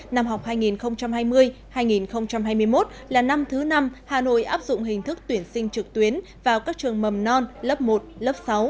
năm học hai nghìn hai mươi hai nghìn hai mươi một là năm thứ năm hà nội áp dụng hình thức tuyển sinh trực tuyến vào các trường mầm non lớp một lớp sáu